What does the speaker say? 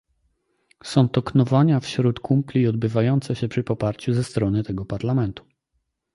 Są to knowania wśród kumpli odbywające się przy poparciu ze strony tego Parlamentu